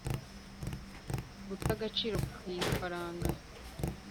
guta agaciro ku ifaranga